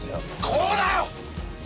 こうだよ！